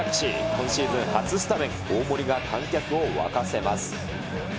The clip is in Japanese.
今シーズン初スタメン、大盛が観客を沸かせます。